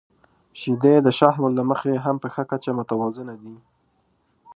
• شیدې د شحمو له مخې هم په ښه کچه متوازنه دي.